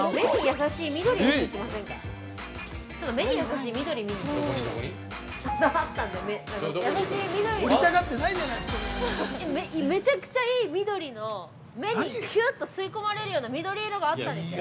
優しい緑のめちゃくちゃいい緑の、目にきゅっと吸い込まれるような緑色があったんですよ。